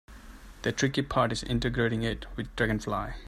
The tricky part is integrating it with Dragonfly.